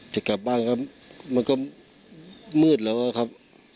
จะกลับบ้านก็มันก็มืดแล้วอะครับ